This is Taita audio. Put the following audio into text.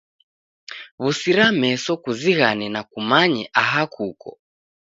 W'usira meso kuzighane na kumanye aha kuko.